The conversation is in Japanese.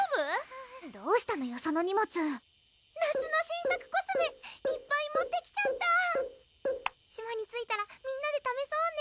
どうしたのよその荷物夏の新作コスメいっぱい持ってきちゃった島に着いたらみんなでためそうね